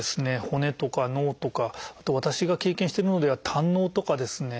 骨とか脳とかあと私が経験してるものでは胆のうとかですね